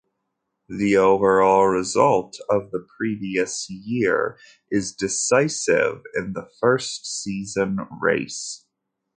The overall result of the previous year is decisive in the first season race.